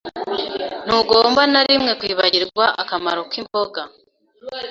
Ntugomba na rimwe kwibagirwa akamaro k’imboga